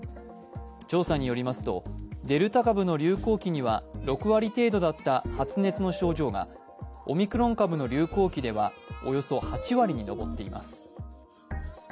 調査によりますと、デルタ株の流行期には６割程度だった発熱の症状がオミクロン株の流行期ではおよそ８割に上っています。